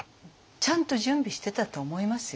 ちゃんと準備してたと思いますよ。